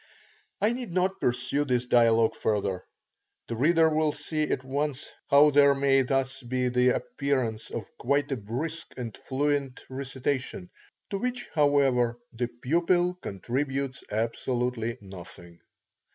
I need not pursue this dialogue further. The reader will see at once how there may thus be the appearance of quite a brisk and fluent recitation, to which however the pupil contributes absolutely nothing.